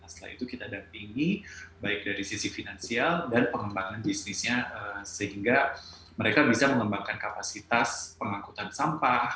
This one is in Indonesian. setelah itu kita dampingi baik dari sisi finansial dan pengembangan bisnisnya sehingga mereka bisa mengembangkan kapasitas pengangkutan sampah